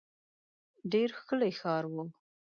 ډېر ښکلی ښار وو.